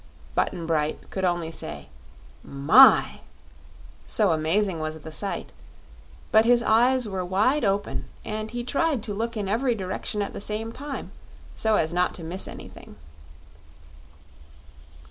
Button Bright could only say "My!" so amazing was the sight; but his eyes were wide open and he tried to look in every direction at the same time, so as not to miss anything.